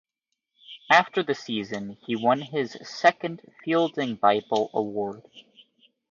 After the season, he won his second Fielding Bible Award.